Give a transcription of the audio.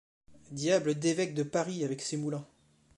Diable d’évêque de Paris avec ses moulins!